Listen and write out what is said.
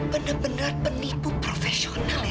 benar benar penipu profesional